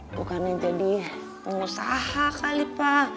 bukannya jadi pengusaha kali pak